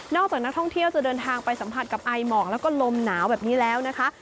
จากนักท่องเที่ยวจะเดินทางไปสัมผัสกับไอหมอกแล้วก็ลมหนาวแบบนี้แล้วนะคะ